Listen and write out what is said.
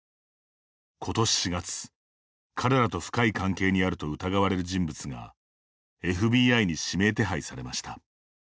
今年４月彼らと深い関係にあると疑われる人物がＦＢＩに指名手配されました。